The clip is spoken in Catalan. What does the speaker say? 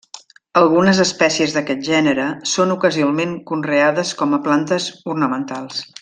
Algunes espècies d'aquest gènere són ocasionalment conreades com a plantes ornamentals.